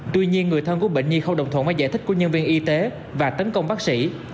tuy nhiên người thân của bệnh nhi không đồng thuận với giải thích của nhân viên y tế và tấn công bác sĩ